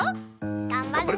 がんばるぞ！